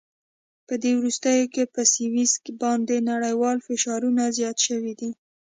په دې وروستیو کې په سویس باندې نړیوال فشارونه زیات شوي دي.